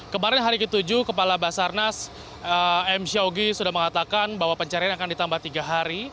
kemarin hari ke tujuh kepala basarnas m syawgi sudah mengatakan bahwa pencarian akan ditambah tiga hari